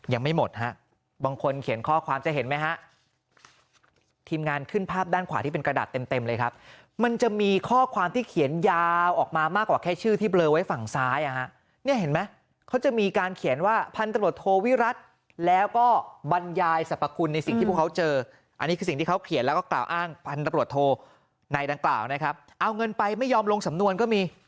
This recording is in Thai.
ยังไม่หมดฮะบางคนเขียนข้อความจะเห็นไหมฮะทีมงานขึ้นภาพด้านขวาที่เป็นกระดาษเต็มเลยครับมันจะมีข้อความที่เขียนยาวออกมามากกว่าแค่ชื่อที่เบลอไว้ฝั่งซ้ายอ่ะฮะเนี่ยเห็นไหมเขาจะมีการเขียนว่าพันตะโหลโทวิรัติแล้วก็บรรยายสรรพคุณในสิ่งที่พวกเขาเจออันนี้คือสิ่งที่เขาเขียนแล้วก